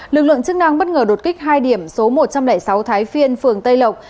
lực lượng chức năng bất ngờ đột kích hai điểm số một trăm linh sáu thái phiên phường tây lộc